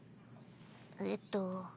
えっと。